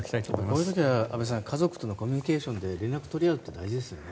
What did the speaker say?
こういう時は、安部さん家族とのコミュニケーションで連絡を取り合うのが大事ですよね。